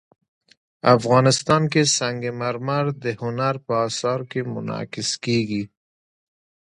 افغانستان کې سنگ مرمر د هنر په اثار کې منعکس کېږي.